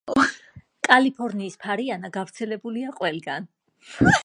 კალიფორნიის ფარიანა გავრცელებულია ყველგან.